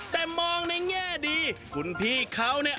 แต่มองในแง่ดีคุณพี่เขาเนี่ย